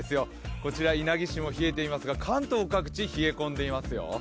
こちら稲城市も冷えていますが関東各地、冷え込んでいますよ。